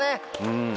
うん。